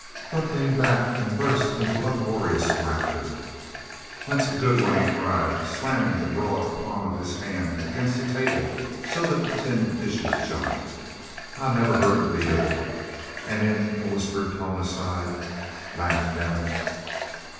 Buck leaned back and burst into uproarious laughter. "That's a good one!" he cried, slamming the broad palm of his hand against the table so that the tin dishes jumped. "I never heard the beat of it!" And in a whispered tone aside: "_Laugh, damn it!